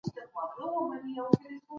وچکالي د خلکو ژوند ډېر سخت کړ.